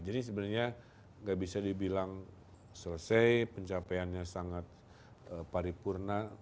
jadi sebenarnya gak bisa dibilang selesai pencapaiannya sangat paripurna